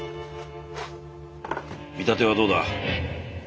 見立てはどうだ？